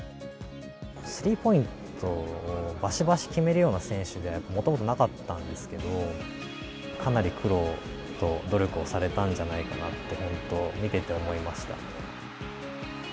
スリーポイントをバシバシ決めるような選手ではもともとなかったんですけど、かなり苦労と努力をされたんじゃないかなと、本当見ていて思いました。